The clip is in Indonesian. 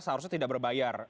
seharusnya tidak berbayar